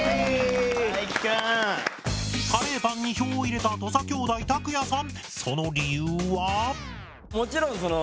カレーパンに票を入れた土佐兄弟・卓也さん